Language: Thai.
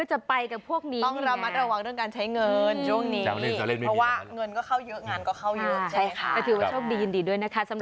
ช่วงหน้านวยกิจค่าชุดเดิมศึกษา